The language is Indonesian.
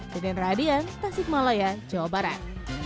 deden radian tasik malaya jawa barat